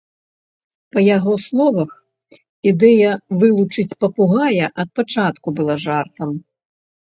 Па яго словах, ідэя вылучыць папугая ад пачатку была жартам.